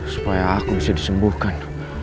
supaya aku bisa disembuhkan